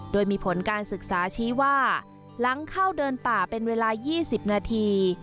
โดยมีผลการศึกษาชี้ว่าหลังเข้าเดินป่าเป็นเวลา๒๐นาที